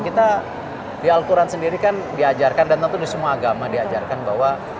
kita di al quran sendiri kan diajarkan dan tentu di semua agama diajarkan bahwa